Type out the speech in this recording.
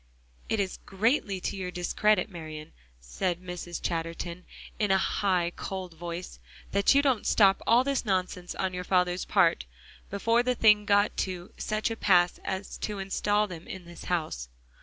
"It is greatly to your discredit, Marian," said Mrs. Chatterton in a high, cold voice, "that you didn't stop all this nonsense on your father's part, before the thing got to such a pass as to install them in this house."